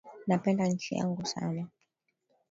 Napenda nchi yangu sana